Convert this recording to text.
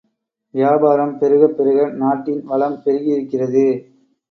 வியாபாரம் பெருகப் பெருக நாட்டின் வளம் பெருகியிருக்கிறது.